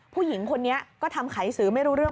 ผู้หญิงคนนี้ก็ทำไขสือไม่รู้เรื่อง